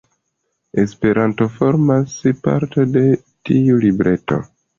Esperanto formas parton de tiu libreto.